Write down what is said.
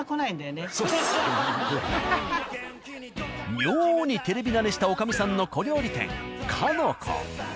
妙にテレビ慣れした女将さんの小料理店「鹿の子」。